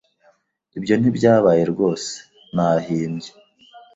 Ibyo ntibyabaye rwose. Nahimbye.